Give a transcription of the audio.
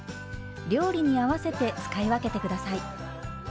料理に合わせて使い分けて下さい。